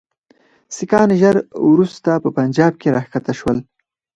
سیکهان ژر وروسته په پنجاب کې را کښته شول.